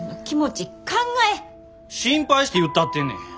心配して言ったってんねん！